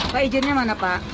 pak ijennya mana pak